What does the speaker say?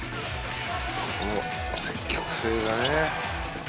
「この積極性がね」